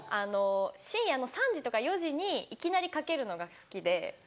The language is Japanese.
深夜の３時とか４時にいきなりかけるのが好きで。